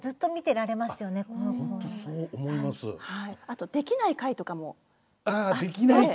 あとできない回とかもあって。